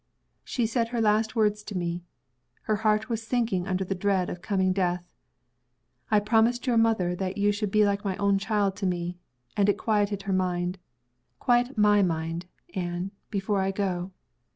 She said her last words to me. Her heart was sinking under the dread of coming death. 'I promised your mother that you should be like my own child to me, and it quieted her mind. Quiet my mind, Anne, before I go.